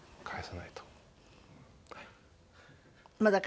返さないとね。